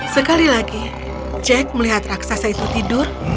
sekali lagi jack melihat raksasa itu tidur